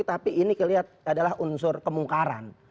tapi ini kelihatan adalah unsur kemungkaran